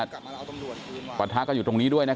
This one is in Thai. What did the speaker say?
กว่าทะก็อยู่ตรงนี้ด้วยนะคะ